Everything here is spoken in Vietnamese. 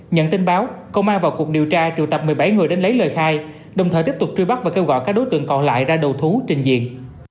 nhận tin báo công an vào cuộc điều tra triệu tập một mươi bảy người đến lấy lời khai đồng thời tiếp tục truy bắt và kêu gọi các đối tượng còn lại ra đầu thú trình diện